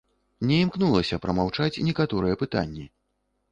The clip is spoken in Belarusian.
Не імкнулася прамаўчаць некаторыя пытанні.